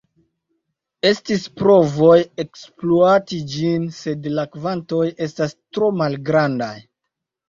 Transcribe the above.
Estis provoj ekspluati ĝin, sed la kvantoj estas tro malgrandaj.